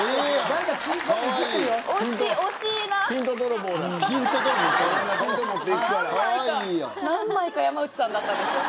何枚か何枚か山内さんだったんですよ。